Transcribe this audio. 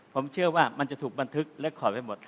ผมเชื่อว่ามันจะถูกบันทึกและขอไปหมด